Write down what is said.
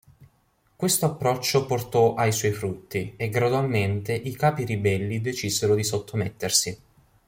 Questo approccio portò ai suoi frutti e gradualmente i capi ribelli decisero di sottomettersi.